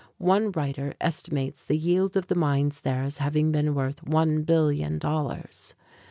One writer estimates the yield of the mines there as having been worth one billion dollars.